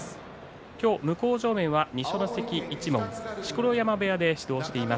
今日向正面は二所ノ関一門錣山部屋で指導しています